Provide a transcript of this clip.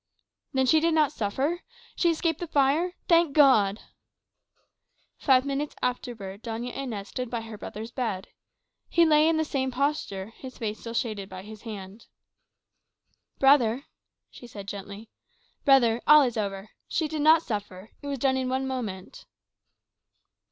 "Then she did not suffer? She escaped the fire! Thank God!" Five minutes afterwards, Doña Inez stood by her brother's bed. He lay in the same posture, his face still shaded by his hand. "Brother," she said gently "brother, all is over. She did not suffer. It was done in one moment."